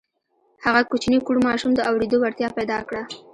هغه کوچني کوڼ ماشوم د اورېدو وړتیا پیدا کړه